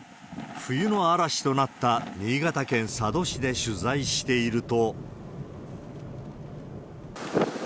冬の嵐となった新潟県佐渡市で取材していると。